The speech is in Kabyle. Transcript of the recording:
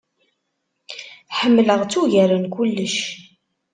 Ḥemleɣ-tt ugar n kullec.